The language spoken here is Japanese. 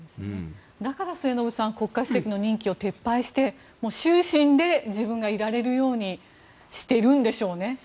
だから末延さん国家主席の任期を撤廃して終身で自分がいられるようにしているんでしょうね。